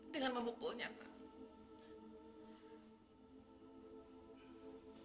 dengan membukunya pak